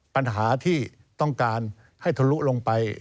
ปัญหาที่ต้องการให้ทะลุลงไป